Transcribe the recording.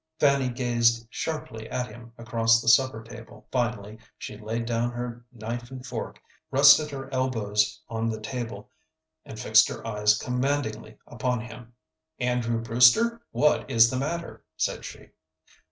Fanny gazed sharply at him across the supper table. Finally she laid down her knife and fork, rested her elbows on the table, and fixed her eyes commandingly upon him. "Andrew Brewster, what is the matter?" said she.